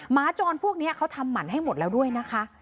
หมาจรพวกนี้เขาทำหมั่นให้หมดแล้วด้วยนะคะ